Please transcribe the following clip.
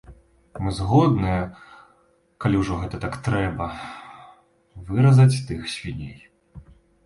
Мы згодныя, калі ўжо гэта так трэба, выразаць тых свіней.